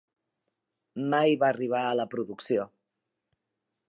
Mai va arribar a la producció.